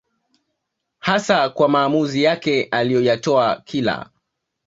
hasa kwa maamuzi yake aliyoyatoa kila